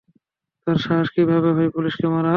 তোর সাহস কিভাবে হয় পুলিশকে মারার?